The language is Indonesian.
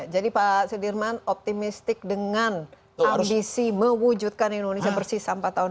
jadi pak sulirman optimistik dengan ambisi mewujudkan indonesia bersih sampai tahun dua ribu dua puluh